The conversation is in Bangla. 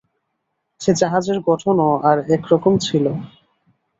সে জাহাজের গঠনও আর একরকমের ছিল।